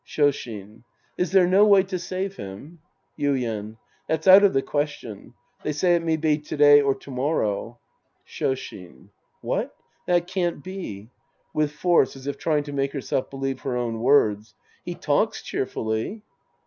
Shoshin. Is there no way to save him ? Yuien. That's out of the question. They say it may be to day or to morrow. Shoshin. What? That can't be. {With force, as if trying to make herself believe her own words) He talks cheerfully.